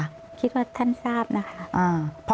คิดว่าท่านทราบนะคะ